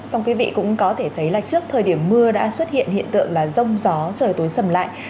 xong quý vị cũng có thể thấy là trước thời điểm mưa đã xuất hiện hiện tượng là rông gió trời tối sầm lại